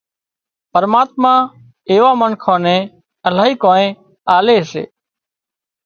پرماتما ايوان منکان نين الاهي ڪانئين آلي سي